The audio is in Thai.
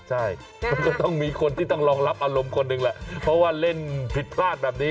ใช่มันก็ต้องมีคนที่ต้องรองรับอารมณ์คนหนึ่งแหละเพราะว่าเล่นผิดพลาดแบบนี้